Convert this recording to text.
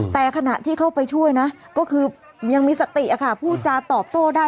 แต่ขณะที่เข้าไปช่วยนะก็คือยังมีสติค่ะพูดจาตอบโต้ได้